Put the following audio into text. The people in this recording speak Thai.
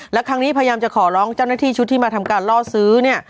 และครั้งนี้พยายามจะขอร้องเจ้าหน้าที่ชุดที่มาทำการล่อซื้อเนี่ย